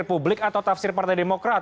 publik atau tafsir partai demokrat